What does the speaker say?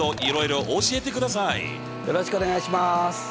よろしくお願いします。